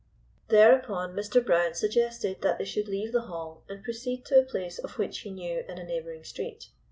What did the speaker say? Thereupon Mr. Brown suggested that they should leave the Hall and proceed to a place of which he knew in a neighboring street.